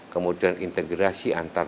kemudian integrasi antar